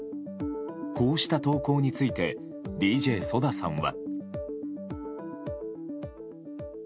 こうした投稿についてＤＪＳＯＤＡさんは。